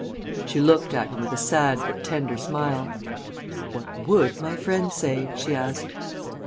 She looked at him with a sad but tender smile. "What would my friends say?" she asked.